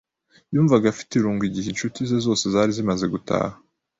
Yumvaga afite irungu igihe inshuti ze zose zari zimaze gutaha.